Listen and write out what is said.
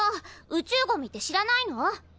宇宙ゴミって知らないの？